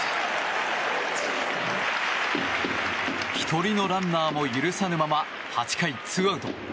１人のランナーも許さぬまま８回２アウト。